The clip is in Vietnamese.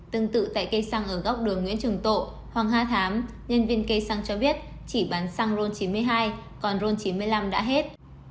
tương tự tại cây xăng ở góc đường nguyễn trường tộ hoàng hà thám nhân viên cây xăng cho biết chỉ bán xăng ron chín mươi hai còn rôn chín mươi năm đã hết